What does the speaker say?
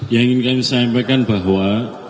yang ingin kami sampaikan bahwa